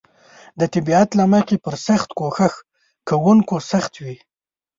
د طبیعت له مخې پر سخت کوښښ کونکو سخت وي.